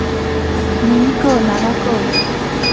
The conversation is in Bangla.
মিমিকো, নানাকো!